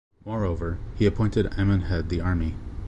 Moreover, he appointed Amin head the army.